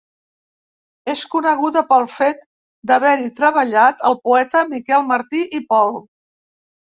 És coneguda pel fet d'haver-hi treballat el poeta Miquel Martí i Pol.